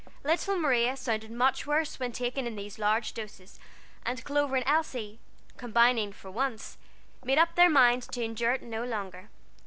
"Little Maria" sounded much worse when taken in these large doses, and Clover and Elsie, combining for once, made up their minds to endure it no longer.